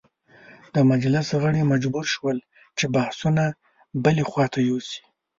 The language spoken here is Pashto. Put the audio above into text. د مجلس غړي مجبور شول چې بحثونه بلې خواته یوسي.